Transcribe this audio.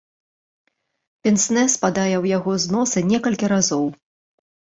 Пенснэ спадае ў яго з носа некалькі разоў.